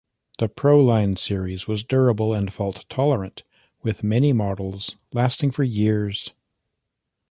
The Pro-Line series was durable and fault-tolerant, with many models lasting for years.